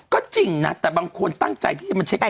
ก็จริงนะแต่บางคนตั้งใจที่จะมาเช็ค